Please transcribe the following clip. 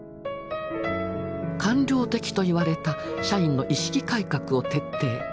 官僚的といわれた社員の意識改革を徹底。